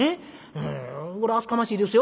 うんこれ厚かましいですよ。